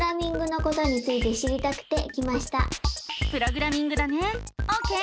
プログラミングだねオーケー！